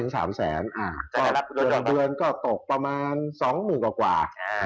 เงินเดือนก็ตกประมาณ๒หมู่กว่า